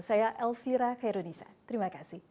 saya elvira khairul nisa terima kasih